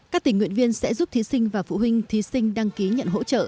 các tình nguyện viên sẽ giúp thí sinh và phụ huynh thí sinh đăng ký nhận hỗ trợ